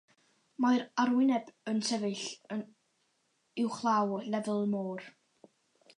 Mae'r arwyneb yn sefyll uwchlaw lefel y môr.